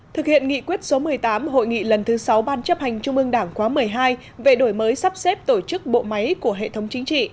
thực hiện nghị quyết số một mươi tám hội nghị lần thứ sáu ban chấp hành trung ương đảng khóa một mươi hai về đổi mới sắp xếp tổ chức bộ máy của hệ thống chính trị